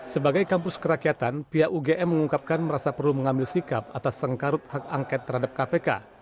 sebagai kampus kerakyatan pihak ugm mengungkapkan merasa perlu mengambil sikap atas sengkarut hak angket terhadap kpk